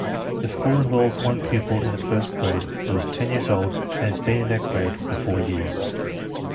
The school enrolls one pupil in the first grade who is 10 years old and has been in that grade for four years.